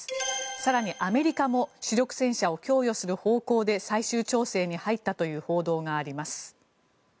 更にアメリカも主力戦車を供与する方向で最終調整に入ったという報道があります。